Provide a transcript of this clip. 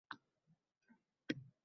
Fidoyi ustozlarga ehtirom